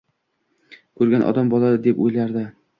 koʻrgan odam bola deb oʻylardi.